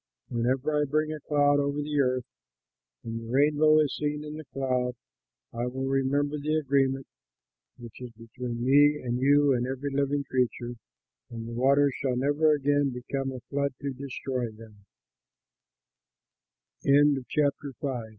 Whenever I bring a cloud over the earth and the rainbow is seen in the cloud, I will remember the agreement which is between me and you and every living creature; and the waters shall never again become a flood to de